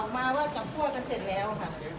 เห็นมีข่าวมาว่าจะคั่วกันเสร็จแล้วค่ะ